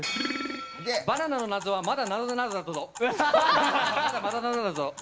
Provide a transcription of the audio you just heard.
バナナの謎はまだ謎なのだぞ。